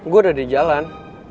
gue udah di jalan